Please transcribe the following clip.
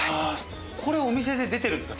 これお店で出てるんですか？